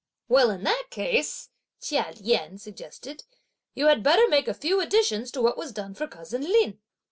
"Well, in that case," Chia Lien suggested, "you had better make a few additions to what was done for cousin Lin!"